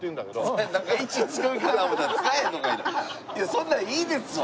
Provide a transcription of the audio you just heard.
そんなんいいですわ！